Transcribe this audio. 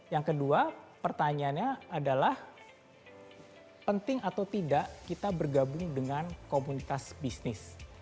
yang kedua pertanyaannya adalah penting atau tidak kita bergabung dengan komunitas bisnis